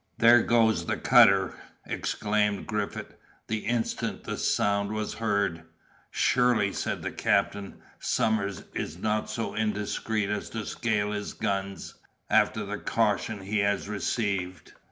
"There goes the cutter!" exclaimed Griffith, the instant the sound was heard. "Surely," said the captain, "Somers is not so indiscreet as to scale his guns, after the caution he has received!"